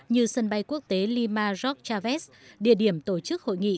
như sân bay quốc tế lima rock chavez địa điểm tổ chức hội nghị